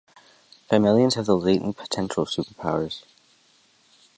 Kymellians have the latent potential of superpowers.